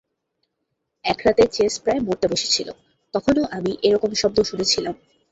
এক রাতে জেস প্রায় মরতে বসেছিল, তখনও আমি এ ধরনের শব্দ শুনেছিলাম।